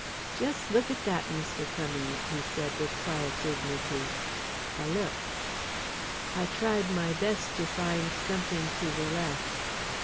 "Just look at that, Mr. Cummings," he said with quiet dignity. I looked. I tried my best to find something to the left.